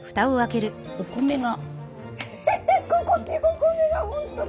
お米が。